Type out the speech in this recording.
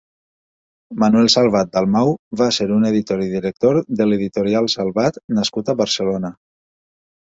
Manuel Salvat Dalmau va ser un editor i director de l'Editorial Salvat nascut a Barcelona.